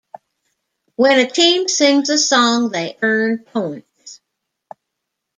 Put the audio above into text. When a team sings a song they earn points.